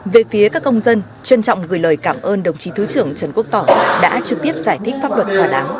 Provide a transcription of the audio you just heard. về phía các công dân trân trọng gửi lời cảm ơn đồng chí thứ trưởng trần quốc tỏ đã trực tiếp giải thích pháp luật thỏa đáng